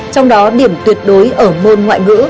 trong đó điểm tuyệt đối ở môn ngoại ngữ